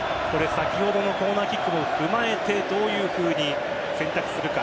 先ほどのコーナーキックを踏まえてどういうふうに選択するか。